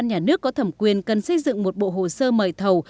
nhà nước có thẩm quyền cần xây dựng một bộ hồ sơ mời thầu